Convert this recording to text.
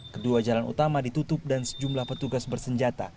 kedua jalan utama ditutup dan sejumlah petugas bersenjata